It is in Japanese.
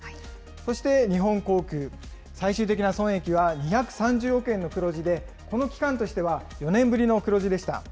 そして日本航空、最終的な損益は２３０億円の黒字で、この期間としては４年ぶりの黒字でした。